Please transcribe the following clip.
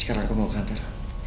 sekarang aku mau ke kantor